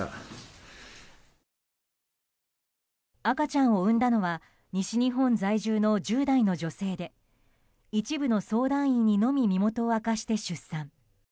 赤ちゃんを産んだのは西日本在住の１０代の女性で一部の相談員にのみ身元を明かして出産。